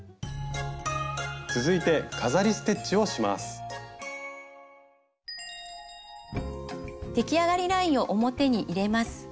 続いてできあがりラインを表に入れます。